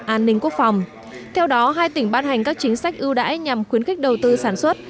an ninh quốc phòng theo đó hai tỉnh ban hành các chính sách ưu đãi nhằm khuyến khích đầu tư sản xuất